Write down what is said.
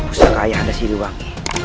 pusaka ayah anda siriwangi